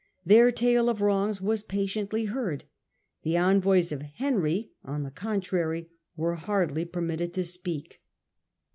Their tale of wrongs was patiently heard ; the envoys of Henry, on the contrary, were hardly permitted to speak.